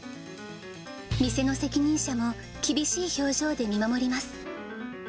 店の責任者も厳しい表情で見守ります。